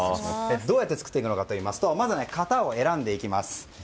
どうやって作っていくのかといいますとまずは型を選んでいきます。